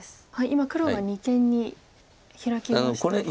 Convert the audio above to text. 今黒が二間にヒラきましたが。